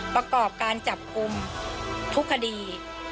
ประกอบการจับกลุ่มทุกคดี